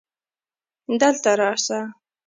دلته راسه